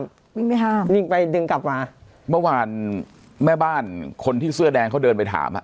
วิ่งไม่ห้ามวิ่งไปดึงกลับมาเมื่อวานแม่บ้านคนที่เสื้อแดงเขาเดินไปถามอ่ะ